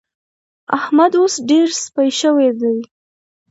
احمد اوس ډېر سپي شوی دی.